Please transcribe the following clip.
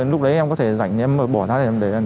lúc đấy em có thể dành em bỏ ra để em đọc tài liệu